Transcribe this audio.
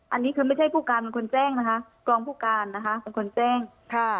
อันนี้คือไม่ใช่ผู้การเป็นคนแจ้งนะคะกองผู้การนะคะเป็นคนแจ้งค่ะ